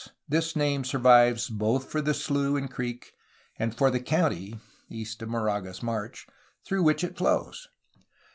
422 A HISTORY OF CALIFORNIA name survives both for the slough and creek and for the county (east of Moraga's march) through which it flows.